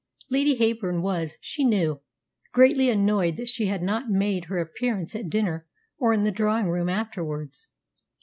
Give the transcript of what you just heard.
Lady Heyburn was, she knew, greatly annoyed that she had not made her appearance at dinner or in the drawing room afterwards.